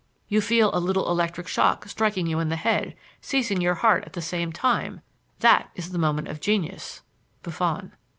"You feel a little electric shock striking you in the head, seizing your heart at the same time that is the moment of genius" (Buffon).